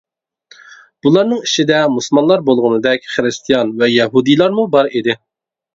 بۇلارنىڭ ئىچىدە مۇسۇلمانلار بولغىنىدەك، خىرىستىيان ۋە يەھۇدىيلارمۇ بار ئىدى.